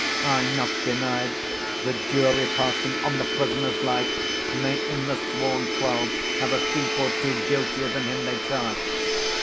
I not deny, The jury, passing on the prisoner's life, May in the sworn twelve have a thief or two 20 Guiltier than him they try.